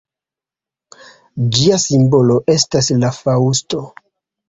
Ĝia simbolo estas la faŭsto.